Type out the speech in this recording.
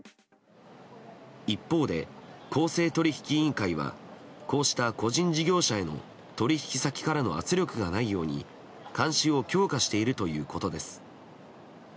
一方で、公正取引委員会はこうした個人事業者への取引先からの圧力がないように監視を強化しているということです。